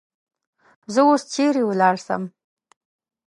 زه اوس چیری ولاړسم؟